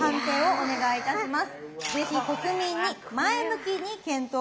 お願いいたします！